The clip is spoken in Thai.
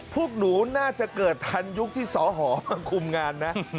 พวกหนูน่าจะเกิดทันยุคที่สหมาคุมงานนะ